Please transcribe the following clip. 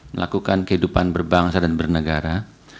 melakukan kehidupan berbangsa dan bernegara